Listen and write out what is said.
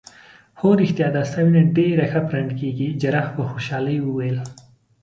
هو ریښتیا دا ستا وینه ډیره ښه پرنډ کیږي. جراح په خوشحالۍ وویل.